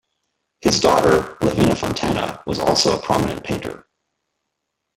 His daughter, Lavinia Fontana, was also a prominent painter.